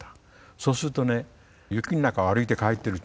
そうするとね雪の中を歩いて帰っているうちにね